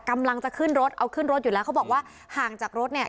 กำลังจะขึ้นรถเอาขึ้นรถอยู่แล้วเขาบอกว่าห่างจากรถเนี่ย